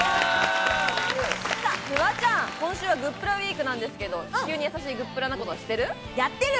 フワちゃん、今週はグップラウィークなんですけれども、地球に優しいグップラなことやってるよ。